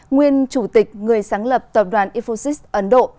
nguyên chủ tịch người sáng lập tập đoàn infosis ấn độ